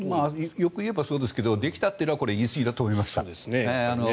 よく言えばそうですけどできたっていうのは言いすぎだと思いました。